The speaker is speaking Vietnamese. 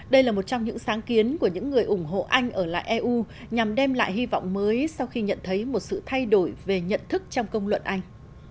đây là một trong những sáng kiến của những người ủng hộ anh ở lại eu nhằm đem lại hy vọng mới sau khi nhận thấy một sự thay đổi về nhận thức trong công luận anh